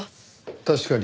確かに。